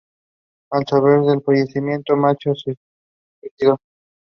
Ayman was killed that day whilst defending Muhammad.